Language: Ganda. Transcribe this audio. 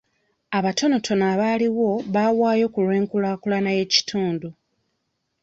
Abatonotono abaaliwo baawaayo ku lw'enkulaakulana y'ekitundu.